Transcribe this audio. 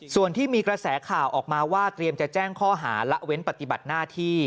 ส่วนที่มีกระแสข่าวออกมาว่าเตรียมจะแจ้งข้อหาละเว้นปฏิบัติหน้าที่